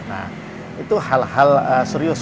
nah itu hal hal serius